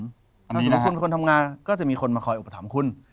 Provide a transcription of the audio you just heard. สมมุติคุณเป็นคนทำงานก็จะมีคนมาคอยอุปถัมภ์คุณ